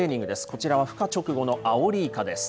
こちらはふ化直後のアオリイカです。